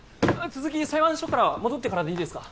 続き裁判所から戻ってからでいいですか？